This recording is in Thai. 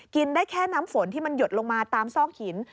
กินได้แค่น้ำฝนที่มันหยดลงมาตามซอกหิน